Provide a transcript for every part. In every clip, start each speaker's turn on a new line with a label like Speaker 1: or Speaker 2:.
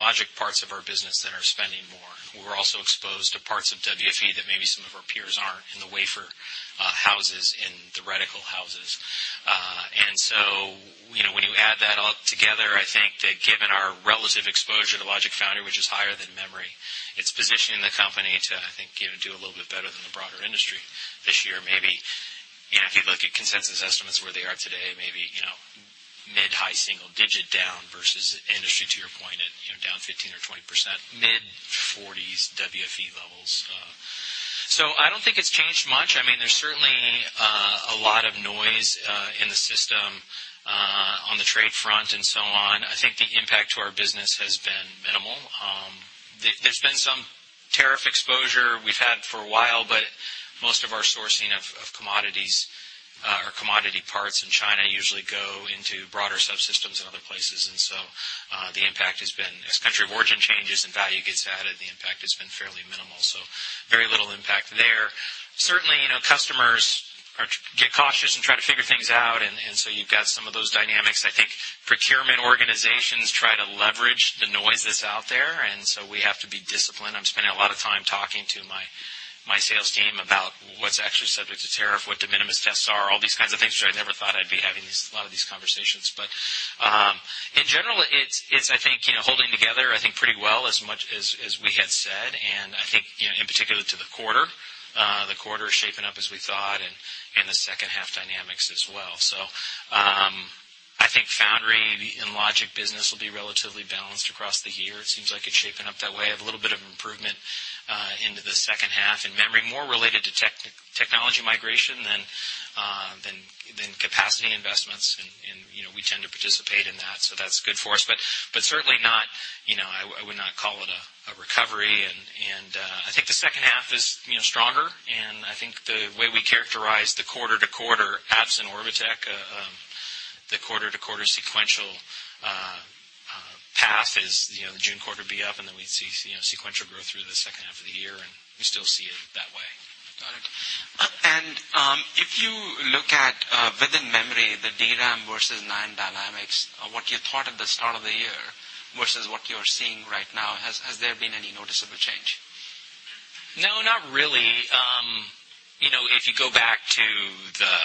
Speaker 1: Logic parts of our business that are spending more. We're also exposed to parts of WFE that maybe some of our peers aren't in the wafer houses, in the reticle houses. When you add that all together, I think that given our relative exposure to logic foundry, which is higher than memory, it's positioning the company to, I think, do a little bit better than the broader industry this year. Maybe, if you look at consensus estimates where they are today, maybe mid-high single digit down versus industry, to your point, at down 15% or 20%, mid-40s WFE levels. I don't think it's changed much. There's certainly a lot of noise in the system, on the trade front and so on. I think the impact to our business has been minimal. There's been some tariff exposure we've had for a while, but most of our sourcing of commodities or commodity parts in China usually go into broader subsystems and other places. The impact has been as country of origin changes and value gets added, the impact has been fairly minimal. Very little impact there. Certainly, customers get cautious and try to figure things out, you've got some of those dynamics. I think procurement organizations try to leverage the noise that's out there, we have to be disciplined. I'm spending a lot of time talking to my sales team about what's actually subject to tariff, what de minimis tests are, all these kinds of things, which I never thought I'd be having a lot of these conversations. In general, it's holding together, I think, pretty well as much as we had said, and I think, in particular to the quarter, the quarter is shaping up as we thought and the second half dynamics as well. I think foundry in logic business will be relatively balanced across the year. It seems like it's shaping up that way. Have a little bit of improvement into the second half. In memory, more related to technology migration than capacity investments, and we tend to participate in that, so that's good for us. Certainly not, I would not call it a recovery. I think the second half is stronger. I think the way we characterize the quarter-to-quarter apps in Orbotech, the quarter-to-quarter sequential path is the June quarter be up, then we'd see sequential growth through the second half of the year. We still see it that way.
Speaker 2: Got it. If you look at within memory, the DRAM versus NAND dynamics, what you thought at the start of the year versus what you're seeing right now, has there been any noticeable change?
Speaker 1: No, not really. If you go back to the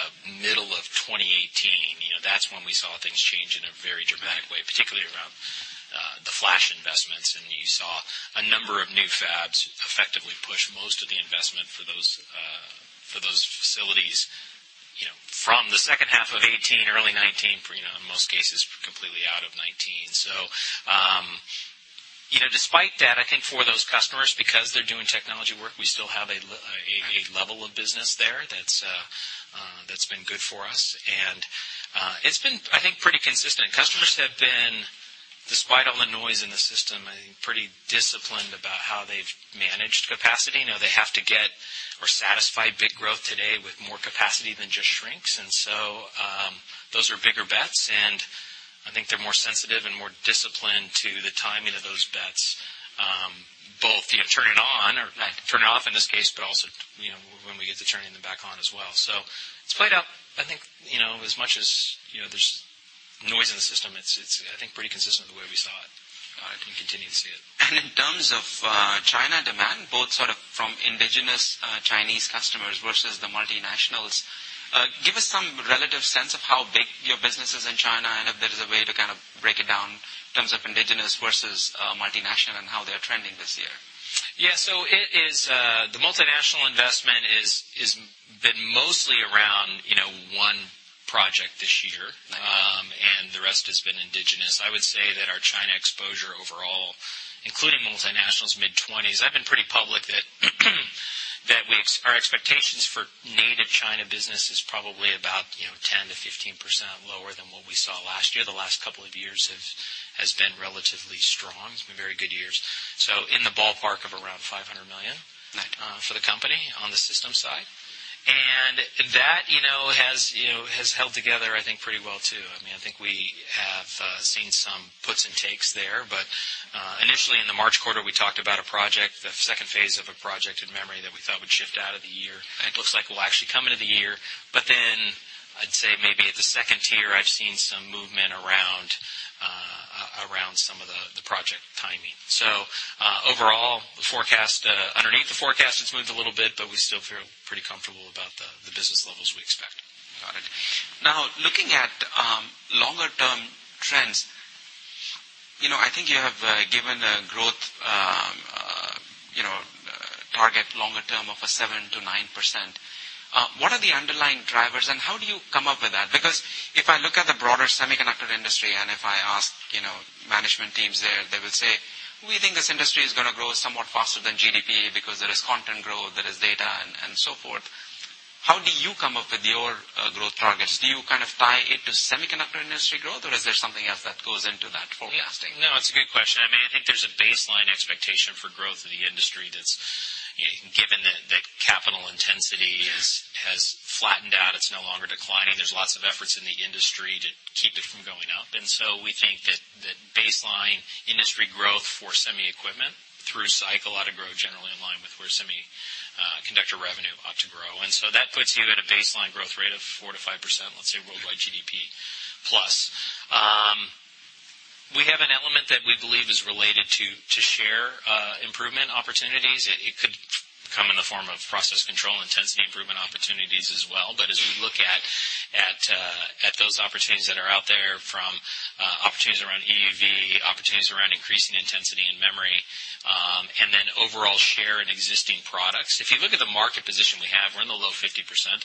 Speaker 1: middle of 2018, that's when we saw things change in a very dramatic way, particularly around the flash investments. You saw a number of new fabs effectively push most of the investment for those facilities from the second half of 2018, early 2019, in most cases, completely out of 2019. Despite that, I think for those customers, because they're doing technology work, we still have a level of business there that's been good for us, and it's been, I think, pretty consistent. Customers have been, despite all the noise in the system, I think, pretty disciplined about how they've managed capacity. They have to get or satisfy big growth today with more capacity than just shrinks. Those are bigger bets, and I think they're more sensitive and more disciplined to the timing of those bets. Both turning on or turning off in this case, also, when we get to turning them back on as well. It's played out, I think, as much as there's noise in the system, it's I think pretty consistent with the way we saw it, and we continue to see it.
Speaker 2: In terms of China demand, both sort of from indigenous Chinese customers versus the multinationals, give us some relative sense of how big your business is in China and if there is a way to kind of break it down in terms of indigenous versus multinational and how they're trending this year.
Speaker 1: Yeah. The multinational investment has been mostly around one project this year, the rest has been indigenous. I would say that our China exposure overall, including multinationals, mid-20s. I've been pretty public that our expectations for native China business is probably about 10%-15% lower than what we saw last year. The last couple of years has been relatively strong. It's been very good years. In the ballpark of around $500 million.
Speaker 2: Right
Speaker 1: For the company on the systems side. That has held together, I think, pretty well, too. I think we have seen some puts and takes there. Initially in the March quarter, we talked about a project, the second phase of a project in memory that we thought would shift out of the year.
Speaker 2: Right.
Speaker 1: It looks like it will actually come into the year. I'd say maybe at the tier 2, I've seen some movement around some of the project timing. Overall, underneath the forecast, it's moved a little bit, but we still feel pretty comfortable about the business levels we expect.
Speaker 2: Got it. Looking at longer-term trends, I think you have given a growth target longer term of 7%-9%. What are the underlying drivers, and how do you come up with that? If I look at the broader semiconductor industry, if I ask management teams there, they will say, "We think this industry is going to grow somewhat faster than GDP because there is content growth, there is data, and so forth." How do you come up with your growth targets? Do you kind of tie it to semiconductor industry growth, or is there something else that goes into that forecasting?
Speaker 1: It's a good question. I think there's a baseline expectation for growth of the industry that's given that capital intensity has flattened out. It's no longer declining. There's lots of efforts in the industry to keep it from going up. We think that baseline industry growth for semi equipment through cycle ought to grow generally in line with where semiconductor revenue ought to grow. That puts you at a baseline growth rate of 4%-5%, let's say, worldwide GDP plus.
Speaker 2: Right.
Speaker 1: We have an element that we believe is related to share improvement opportunities. It could come in the form of process control intensity improvement opportunities as well. As we look at those opportunities that are out there from opportunities around EUV, opportunities around increasing intensity and memory, and then overall share in existing products. If you look at the market position we have, we're in the low 50%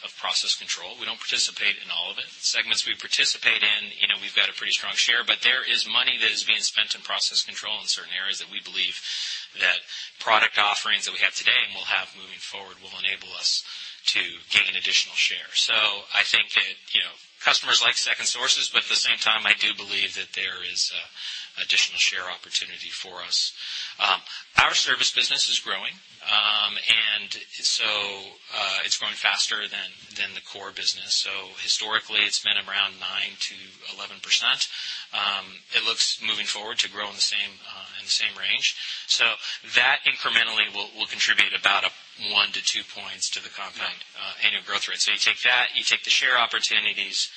Speaker 1: of process control. We don't participate in all of it. Segments we participate in, we've got a pretty strong share, but there is money that is being spent in process control in certain areas that we believe that product offerings that we have today and will have moving forward will enable us to gain additional share. I think that customers like second sources, but at the same time, I do believe that there is additional share opportunity for us. Our service business is growing. It's growing faster than the core business. Historically, it's been around 9%-11%. It looks, moving forward, to grow in the same range. That incrementally will contribute about one to two points to the compound annual growth rate. You take that, you take the share opportunities,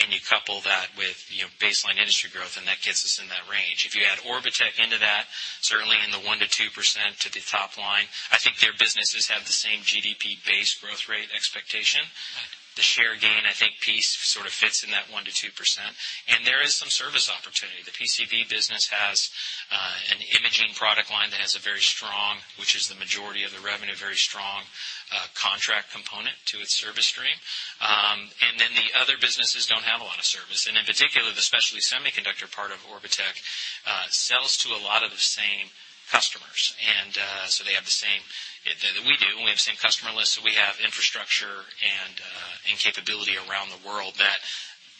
Speaker 1: and you couple that with baseline industry growth, and that gets us in that range. If you add Orbotech into that, certainly in the 1%-2% to the top line, I think their businesses have the same GDP base growth rate expectation.
Speaker 2: Right.
Speaker 1: The share gain, I think piece sort of fits in that 1%-2%. There is some service opportunity. The PCB business has an imaging product line that has a very strong, which is the majority of the revenue, very strong contract component to its service stream. The other businesses don't have a lot of service. In particular, the specialty semiconductor part of Orbotech sells to a lot of the same customers. They have the same that we do, and we have the same customer list. We have infrastructure and capability around the world that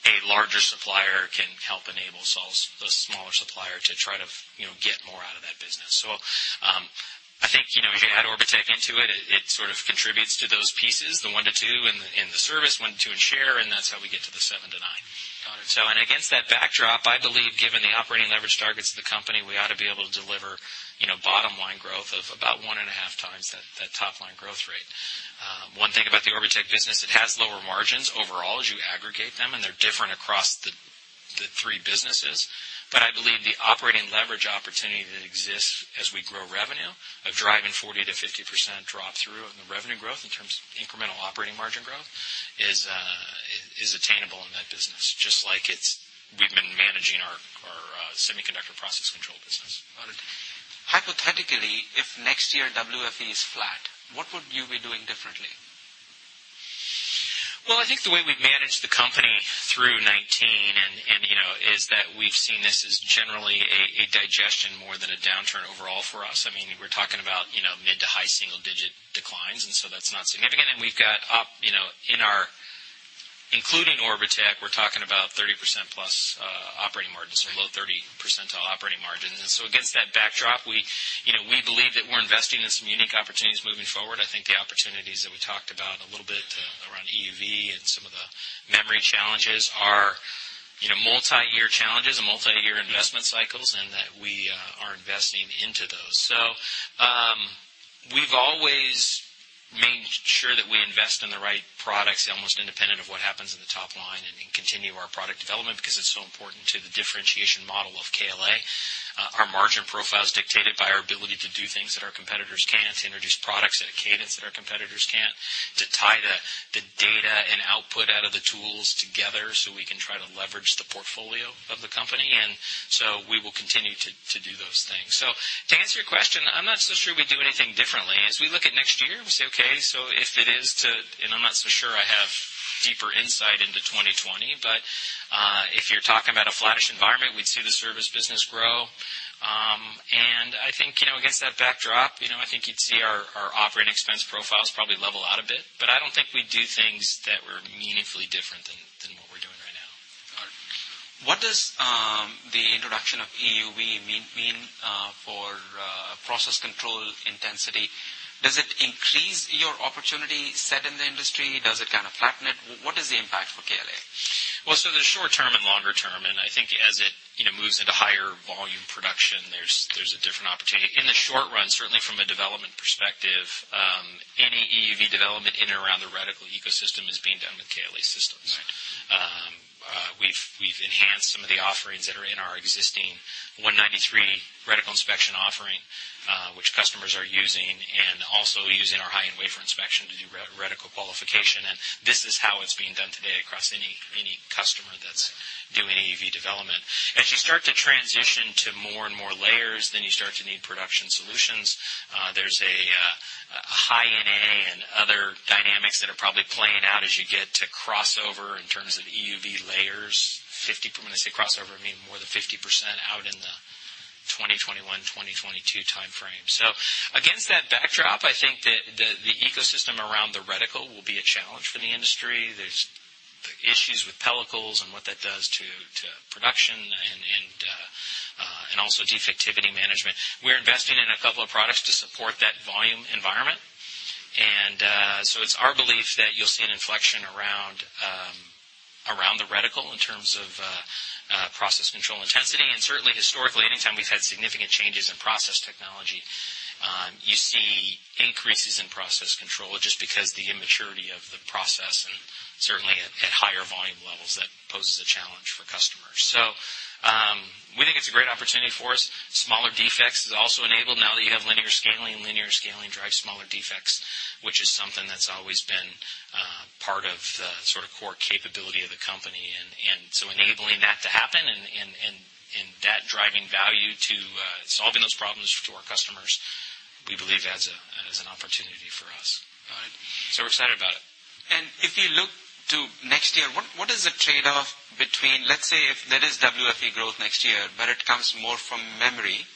Speaker 1: a larger supplier can help enable the smaller supplier to try to get more out of that business. I think, if you add Orbotech into it sort of contributes to those pieces, the one to two in the service, one, two in share, and that's how we get to the seven to nine.
Speaker 2: Got it.
Speaker 1: Against that backdrop, I believe given the operating leverage targets of the company, we ought to be able to deliver bottom-line growth of about one and a half times that top-line growth rate. One thing about the Orbotech business, it has lower margins overall as you aggregate them, and they're different across the three businesses. But I believe the operating leverage opportunity that exists as we grow revenue of driving 40%-50% drop through on the revenue growth in terms of incremental operating margin growth is attainable in that business. Just like we've been managing our semiconductor process control business.
Speaker 2: Got it. Hypothetically, if next year WFE is flat, what would you be doing differently?
Speaker 1: Well, I think the way we've managed the company through 2019, we've seen this as generally a digestion more than a downturn overall for us. We're talking about mid to high single-digit declines, that's not significant. Including Orbotech, we're talking about 30% plus operating margins or low 30 percentile operating margins. Against that backdrop, we believe that we're investing in some unique opportunities moving forward. I think the opportunities that we talked about a little bit around EUV and some of the memory challenges are multiyear challenges and multiyear investment cycles, that we are investing into those. We've always made sure that we invest in the right products, almost independent of what happens in the top line, and continue our product development because it's so important to the differentiation model of KLA. Our margin profile is dictated by our ability to do things that our competitors can't, to introduce products at a cadence that our competitors can't, to tie the data and output out of the tools together so we can try to leverage the portfolio of the company. We will continue to do those things. To answer your question, I'm not so sure we'd do anything differently. As we look at next year, we say, okay, if it is to, I'm not so sure I have deeper insight into 2020, if you're talking about a flattish environment, we'd see the service business grow. I think, against that backdrop, I think you'd see our operating expense profiles probably level out a bit. I don't think we'd do things that were meaningfully different than what we're doing right now.
Speaker 2: All right. What does the introduction of EUV mean for process control intensity? Does it increase your opportunity set in the industry? Does it kind of flatten it? What is the impact for KLA?
Speaker 1: Well, there's short term and longer term, I think as it moves into higher volume production, there's a different opportunity. In the short run, certainly from a development perspective, any EUV development in and around the reticle ecosystem is being done with KLA systems.
Speaker 2: Right.
Speaker 1: We've enhanced some of the offerings that are in our existing 193nm reticle inspection offering, which customers are using, also using our high-end wafer inspection to do reticle qualification. This is how it's being done today across any customer that's doing EUV development. As you start to transition to more and more layers, you start to need production solutions. There's a High-NA and other dynamics that are probably playing out as you get to crossover in terms of EUV layers. When I say crossover, I mean more than 50% out in the 2021, 2022 timeframe. Against that backdrop, I think that the ecosystem around the reticle will be a challenge for the industry. There's issues with pellicles and what that does to production and also defectivity management. We're investing in a couple of products to support that volume environment. It's our belief that you'll see an inflection around the reticle in terms of process control intensity. Certainly historically, anytime we've had significant changes in process technology, you see increases in process control just because the immaturity of the process and certainly at higher volume levels, that poses a challenge for customers. We think it's a great opportunity for us. Smaller defects is also enabled now that you have linear scaling. Linear scaling drives smaller defects, which is something that's always been part of the core capability of the company. Enabling that to happen and that driving value to solving those problems to our customers, we believe that is an opportunity for us.
Speaker 2: Got it.
Speaker 1: We're excited about it.
Speaker 2: What is the trade-off between, let's say, if there is WFE growth next year, but it comes more from memory,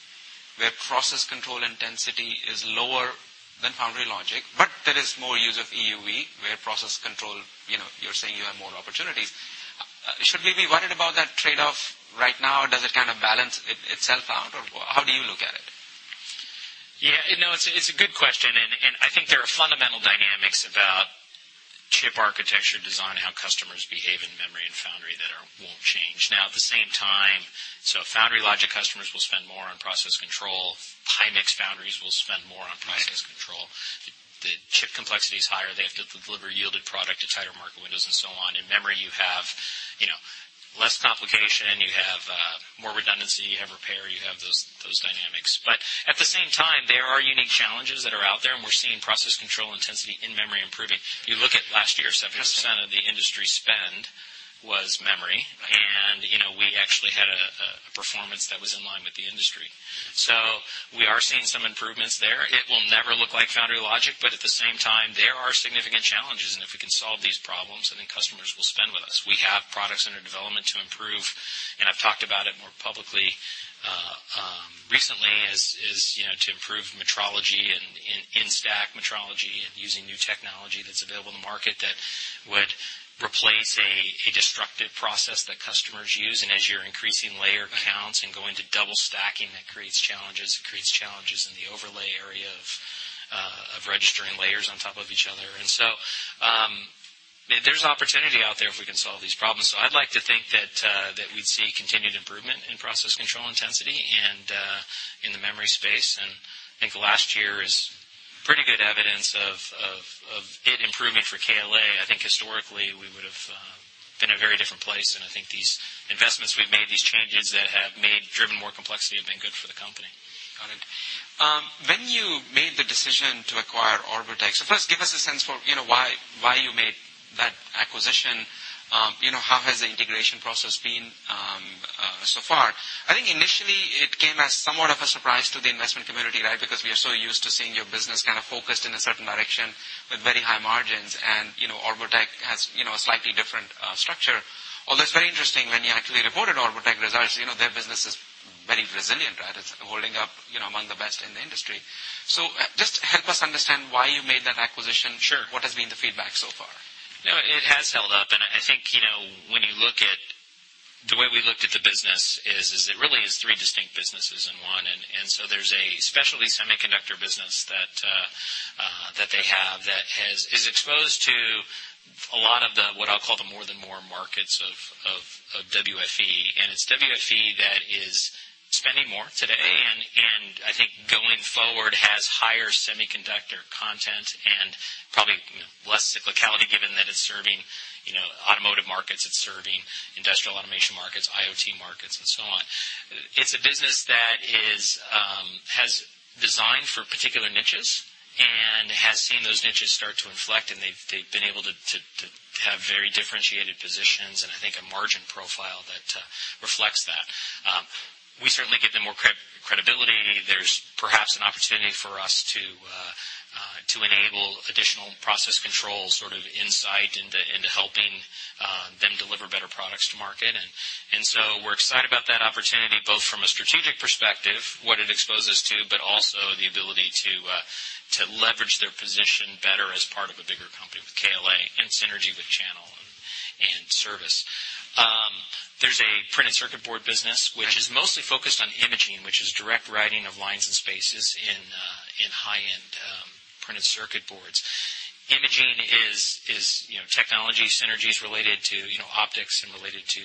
Speaker 2: where process control intensity is lower than foundry logic, but there is more use of EUV, where process control, you're saying you have more opportunities. Should we be worried about that trade-off right now, or does it kind of balance itself out, or how do you look at it?
Speaker 1: It's a good question, I think there are fundamental dynamics about chip architecture design, how customers behave in memory and foundry that won't change. At the same time, foundry logic customers will spend more on process control. High-mix foundries will spend more on process control.
Speaker 2: Right.
Speaker 1: The chip complexity is higher. They have to deliver yielded product to tighter market windows and so on. In memory, you have less complication, you have more redundancy, you have repair. You have those dynamics. At the same time, there are unique challenges that are out there, we're seeing process control intensity in memory improving. You look at last year, 70% of the industry spend was memory.
Speaker 2: Right.
Speaker 1: We actually had a performance that was in line with the industry. We are seeing some improvements there. It will never look like foundry logic, at the same time, there are significant challenges, if we can solve these problems, customers will spend with us. We have products under development to improve, I've talked about it more publicly recently, is to improve metrology and in-stack metrology and using new technology that's available in the market that would replace a destructive process that customers use. As you're increasing layer counts and going to double stacking, that creates challenges. It creates challenges in the overlay area of registering layers on top of each other. There's opportunity out there if we can solve these problems. I'd like to think that we'd see continued improvement in process control intensity and in the memory space. I think last year is pretty good evidence of it improving for KLA. I think historically, we would've been in a very different place, and I think these investments we've made, these changes that have driven more complexity, have been good for the company.
Speaker 2: Got it. When you made the decision to acquire Orbotech, first give us a sense for why you made that acquisition. How has the integration process been so far? I think initially it came as somewhat of a surprise to the investment community, right? We are so used to seeing your business kind of focused in a certain direction with very high margins, and Orbotech has a slightly different structure, although it's very interesting when you actually reported Orbotech results, their business is very resilient, right? It's holding up among the best in the industry. Just help us understand why you made that acquisition.
Speaker 1: Sure.
Speaker 2: What has been the feedback so far?
Speaker 1: No, it has held up, and I think the way we looked at the business is it really is three distinct businesses in one. There's a specialty semiconductor business that they have that is exposed to a lot of the, what I'll call the More than Moore markets of WFE. It's WFE that is spending more today. I think going forward, has higher semiconductor content and probably less cyclicality given that it's serving automotive markets, it's serving industrial automation markets, IoT markets, and so on. It's a business that has designed for particular niches and has seen those niches start to inflect, and they've been able to have very differentiated positions and I think a margin profile that reflects that. We certainly give them more credibility. There's perhaps an opportunity for us to enable additional process control insight into helping them deliver better products to market. So we're excited about that opportunity, both from a strategic perspective, what it exposes to, but also the ability to leverage their position better as part of a bigger company with KLA and synergy with channel and service. There's a printed circuit board business.
Speaker 2: Right
Speaker 1: Which is mostly focused on imaging, which is direct writing of lines and spaces in high-end printed circuit boards. Imaging is technology synergies related to optics and related to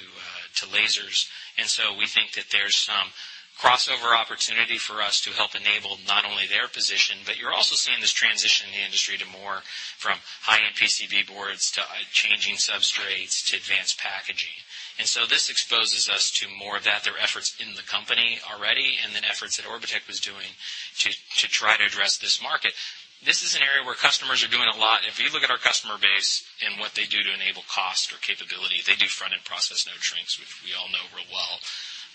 Speaker 1: lasers, so we think that there's some crossover opportunity for us to help enable not only their position, but you're also seeing this transition in the industry to more from high-end PCB boards to changing substrates to advanced packaging. So this exposes us to more of that. There are efforts in the company already, then efforts that Orbotech was doing to try to address this market. This is an area where customers are doing a lot. If you look at our customer base and what they do to enable cost or capability, they do front-end process node shrinks, which we all know real well.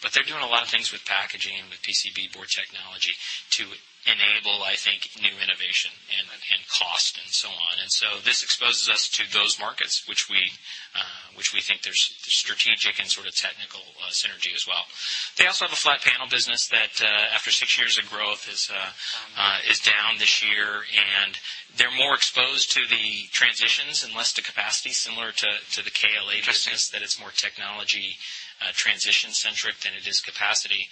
Speaker 1: They're doing a lot of things with packaging, with PCB board technology to enable, I think, new innovation and cost and so on. So this exposes us to those markets, which we think there's strategic and sort of technical synergy as well. They also have a flat panel business that, after 6 years of growth, is down this year. They're more exposed to the transitions and less to capacity, similar to the KLA business, that it's more technology transition-centric than it is capacity.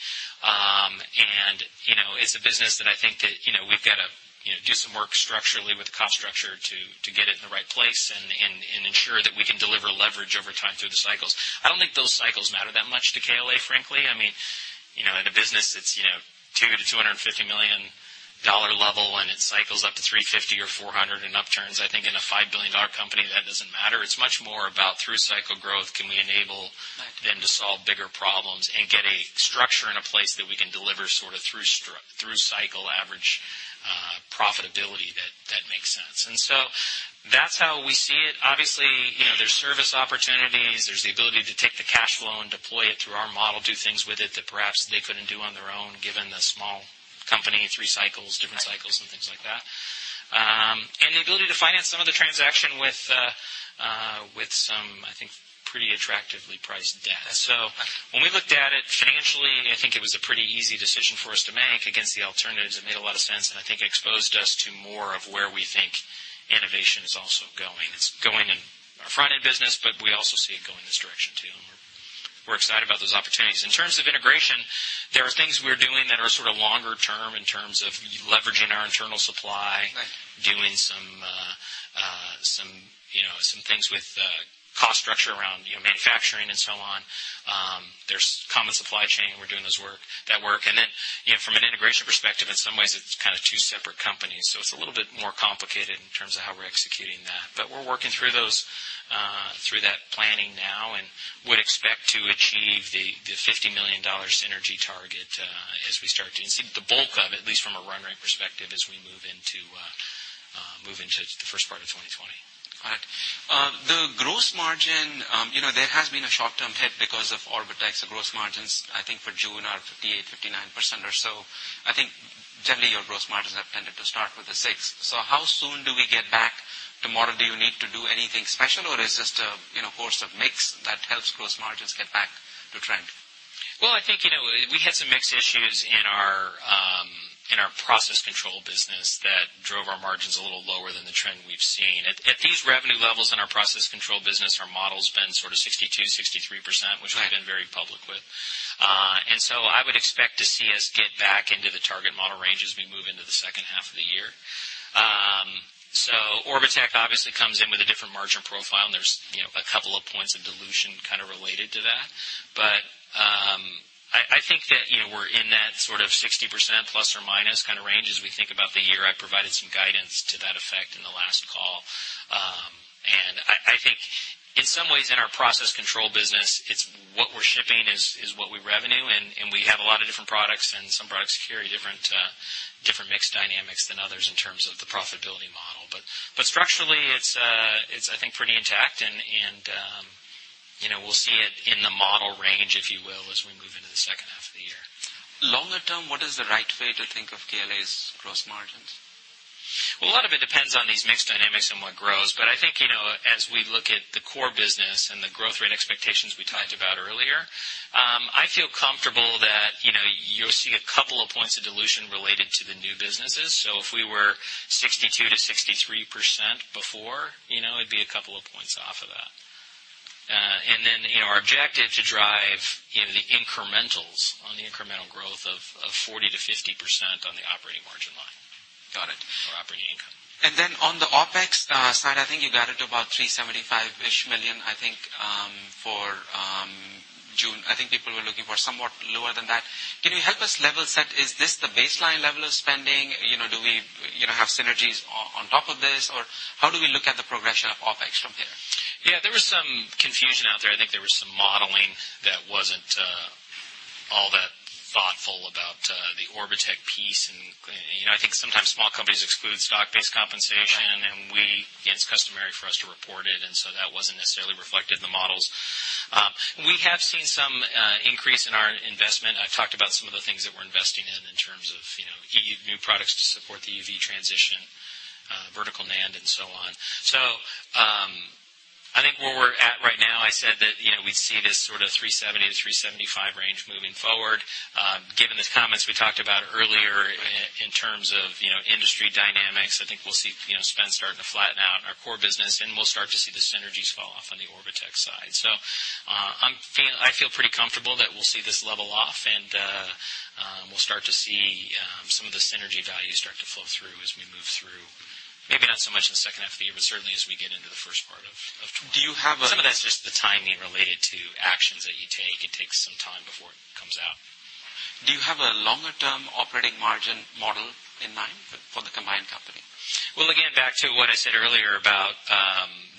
Speaker 1: It's a business that I think that we've got to do some work structurally with the cost structure to get it in the right place and ensure that we can deliver leverage over time through the cycles. I don't think those cycles matter that much to KLA, frankly. In a business that's $200 million-$250 million level, it cycles up to $350 million or $400 million in upturns. I think in a $5 billion company, that doesn't matter. It's much more about through cycle growth, can we enable.
Speaker 2: Right
Speaker 1: them to solve bigger problems and get a structure in a place that we can deliver through cycle average profitability that makes sense. That's how we see it. Obviously, there's service opportunities. There's the ability to take the cash flow and deploy it through our model, do things with it that perhaps they couldn't do on their own, given the small company, three cycles, different cycles, and things like that.
Speaker 2: Right.
Speaker 1: The ability to finance some of the transaction with some, I think, pretty attractively priced debt. When we looked at it financially, I think it was a pretty easy decision for us to make against the alternatives. It made a lot of sense, and I think it exposed us to more of where we think innovation is also going. It's going in our front-end business, but we also see it going this direction, too, and we're excited about those opportunities. In terms of integration, there are things we're doing that are longer term in terms of leveraging our internal supply.
Speaker 2: Right.
Speaker 1: Doing some things with cost structure around manufacturing and so on. There's common supply chain. We're doing that work. From an integration perspective, in some ways, it's two separate companies, so it's a little bit more complicated in terms of how we're executing that. We're working through that planning now and would expect to achieve the $50 million synergy target as we start to see the bulk of it, at least from a run rate perspective, as we move into the first part of 2020.
Speaker 2: Got it. The gross margin, there has been a short-term hit because of Orbotech's gross margins, I think for June are 58%, 59% or so. I think generally your gross margins have tended to start with the six. How soon do we get back to model? Do you need to do anything special, or is this a course of mix that helps gross margins get back to trend?
Speaker 1: I think we had some mix issues in our process control business that drove our margins a little lower than the trend we've seen. At these revenue levels in our process control business, our model's been sort of 62%-63%, which we've been very public with. I would expect to see us get back into the target model range as we move into the second half of the year. Orbotech obviously comes in with a different margin profile, and there's a couple of points of dilution kind of related to that. I think that we're in that sort of 60% ± kind of range as we think about the year. I provided some guidance to that effect in the last call. I think in some ways in our process control business, what we're shipping is what we revenue, and we have a lot of different products, and some products carry different mix dynamics than others in terms of the profitability model. Structurally it's, I think, pretty intact and we'll see it in the model range, if you will, as we move into the second half of the year.
Speaker 2: Longer term, what is the right way to think of KLA's gross margins?
Speaker 1: A lot of it depends on these mix dynamics and what grows, I think, as we look at the core business and the growth rate expectations we talked about earlier, I feel comfortable that you'll see a couple of points of dilution related to the new businesses. If we were 62%-63% before, it'd be a couple of points off of that. Our objective to drive the incrementals on the incremental growth of 40%-50% on the operating margin line.
Speaker 2: Got it.
Speaker 1: Operating income.
Speaker 2: On the OpEx side, I think you got it to about $375 million, I think, for June. I think people were looking for somewhat lower than that. Can you help us level set, is this the baseline level of spending? Do we have synergies on top of this, or how do we look at the progression of OpEx from here?
Speaker 1: Yeah, there was some confusion out there. I think there was some modeling that wasn't all that thoughtful about the Orbotech piece, and I think sometimes small companies exclude stock-based compensation.
Speaker 2: Right.
Speaker 1: It's customary for us to report it, and so that wasn't necessarily reflected in the models. We have seen some increase in our investment. I've talked about some of the things that we're investing in in terms of EUV new products to support the EUV transition, Vertical NAND, and so on. I think where we're at right now, I said that we see this sort of $370-$375 range moving forward. Given the comments we talked about earlier in terms of industry dynamics, I think we'll see spend starting to flatten out in our core business, and we'll start to see the synergies fall off on the Orbotech side. I feel pretty comfortable that we'll see this level off, and we'll start to see some of the synergy value start to flow through as we move through, maybe not so much in the second half of the year, but certainly as we get into the first part of 2020.
Speaker 2: Do you have?
Speaker 1: Some of that's just the timing related to actions that you take. It takes some time before it comes out.
Speaker 2: Do you have a longer-term operating margin model in mind for the combined company?
Speaker 1: Well, again, back to what I said earlier about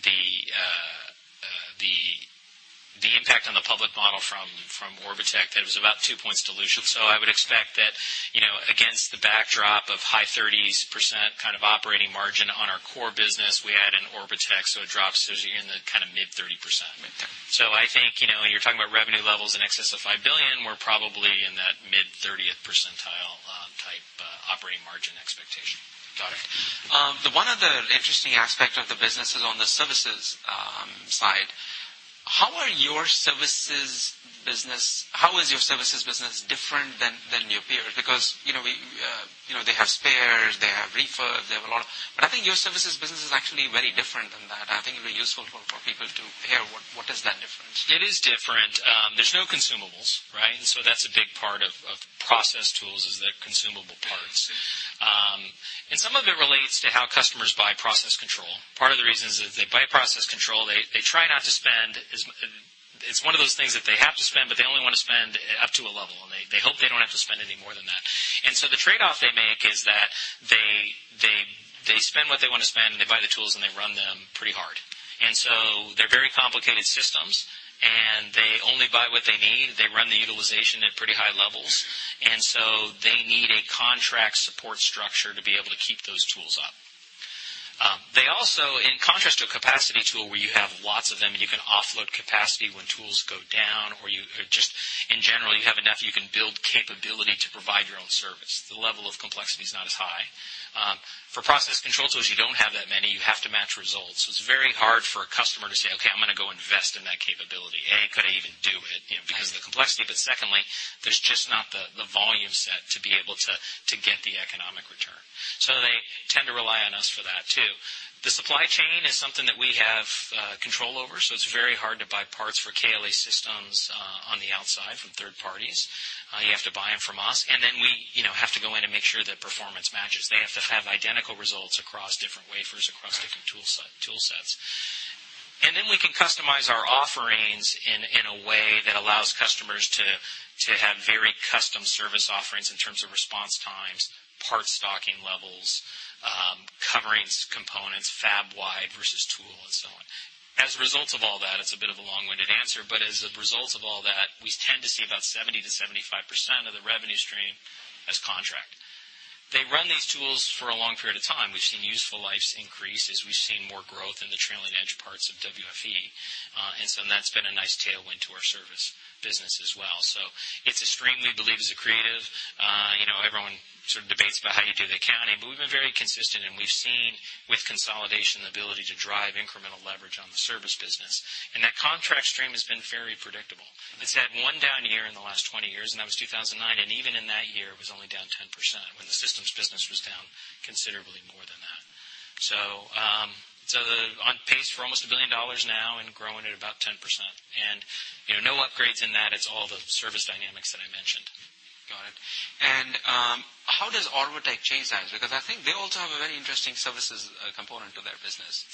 Speaker 1: the impact on the public model from Orbotech, that it was about two points dilution. I would expect that against the backdrop of high 30s% kind of operating margin on our core business, we add in Orbotech, it drops in the mid 30%.
Speaker 2: Mid 30.
Speaker 1: I think you're talking about revenue levels in excess of $5 billion, we're probably in that mid 30th percentile type operating margin expectation.
Speaker 2: Got it. One of the interesting aspect of the business is on the services side. How is your services business different than your peers? They have spares, they have refurb, they have a lot. I think your services business is actually very different than that. I think it'd be useful for people to hear what is that difference.
Speaker 1: It is different. There's no consumables, right? That's a big part of process tools, is the consumable parts. Some of it relates to how customers buy process control. Part of the reason is if they buy process control, they try not to spend. It's one of those things that they have to spend, but they only want to spend up to a level, and they hope they don't have to spend any more than that. The trade-off they make is that they spend what they want to spend, and they buy the tools, and they run them pretty hard. They're very complicated systems, and they only buy what they need. They run the utilization at pretty high levels, and they need a contract support structure to be able to keep those tools up. They also, in contrast to a capacity tool where you have lots of them, and you can offload capacity when tools go down, or just in general, you have enough, you can build capability to provide your own service. The level of complexity is not as high. For process control tools, you don't have that many. You have to match results. It's very hard for a customer to say, "Okay, I'm going to go invest in that capability." A, could I even do it because of the complexity? Secondly, there's just not the volume set to be able to get the economic return. They tend to rely on us for that, too. The supply chain is something that we have control over, so it's very hard to buy parts for KLA systems on the outside from third parties. You have to buy them from us, then we have to go in and make sure that performance matches. They have to have identical results across different wafers, across different tool sets. Then we can customize our offerings in a way that allows customers to have very custom service offerings in terms of response times, part stocking levels, coverings, components, fab wide versus tool, and so on. As a result of all that, it's a bit of a long-winded answer, as a result of all that, we tend to see about 70%-75% of the revenue stream as contract. They run these tools for a long period of time. We've seen useful lives increase as we've seen more growth in the trailing edge parts of WFE. That's been a nice tailwind to our service business as well. It's a stream we believe is accretive. Everyone sort of debates about how you do the accounting, but we've been very consistent, and we've seen with consolidation, the ability to drive incremental leverage on the service business. That contract stream has been very predictable. It's had one down year in the last 20 years, and that was 2009. Even in that year, it was only down 10% when the systems business was down considerably more than that. On pace for almost $1 billion now and growing at about 10%. No upgrades in that. It's all the service dynamics that I mentioned.
Speaker 2: Got it. How does Orbotech change that? Because I think they also have a very interesting services component to their business.